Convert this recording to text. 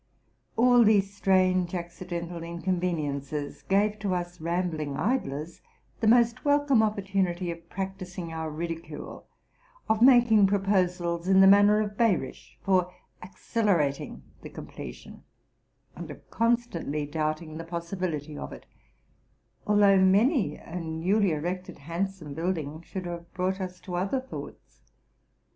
All these strange accidental inconveniences gave to RELATING TO MY LIFE. 315 us rambling idlers the most welcome opportunity of practis ing our ridicule ; of making proposals, in the manner of Behrisch, for accelerating the completion, and of constantly doubting the possibility of it, although many a newly erected Sandsome building should have brought us to other thoughts.